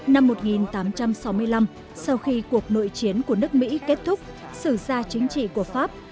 năm một nghìn tám trăm sáu mươi năm sau khi cuộc nội chiến của nước mỹ kết thúc sử ra chính trị của pháp